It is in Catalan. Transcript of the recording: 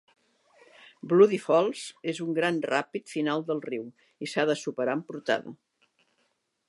Bloody Falls és el gran ràpid final del riu, i s'ha de superar amb portada.